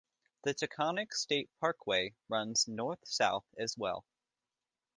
The Taconic State Parkway runs north-south as well.